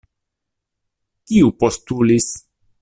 Kiu postulis?